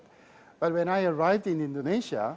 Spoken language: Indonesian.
tetapi ketika saya tiba di indonesia